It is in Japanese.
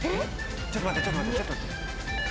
⁉ちょっと待ってちょっと待て。